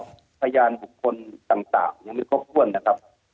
พยานบุคคลต่างยังไม่ครบถ้วนนะครับ